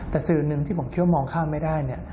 แต่สื่อหนึ่งที่ผมคิดว่ามองข้ามไม่ได้เนี่ย